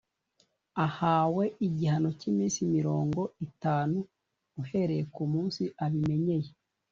Ahawe igihano cy’iminsi mirongo itanu uhereye ku munsi abimenyeye